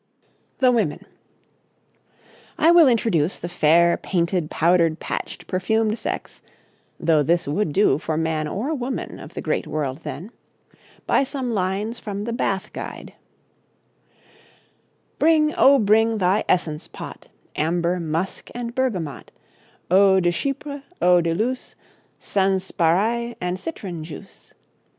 THE WOMEN I will introduce the fair, painted, powdered, patched, perfumed sex (though this would do for man or woman of the great world then) by some lines from the Bath Guide: 'Bring, O bring thy essence pot, Amber, musk, and bergamot; Eau de chipre, eau de luce, Sanspareil, and citron juice.